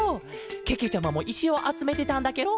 けけちゃまもいしをあつめてたんだケロ。